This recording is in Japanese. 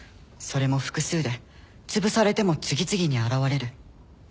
それも複数でつぶされても次々に現れる。